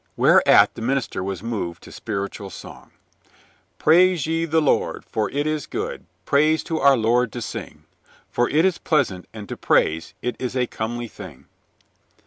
Whereat the minister was moved to spiritual song: Praise ye the Lord ; for it is good Praise to our Lord to sing, For it is pleasant; and to praise It is a comely thing.